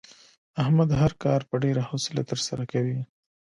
احمد هر کار په ډېره حوصله ترسره کوي.